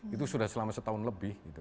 itu sudah selama setahun lebih